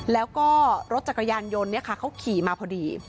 แล้วก็รถจักรยานยนต์เนี้ยค่ะเขาขี่มาพอดี